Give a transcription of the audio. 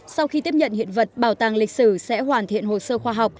sau khi tiếp nhận hiện vật bảo tàng lịch sử sẽ hoàn thiện hồ sơ khoa học